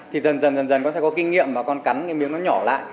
thì dần dần con sẽ có kinh nghiệm và con cắn miếng nó nhỏ lại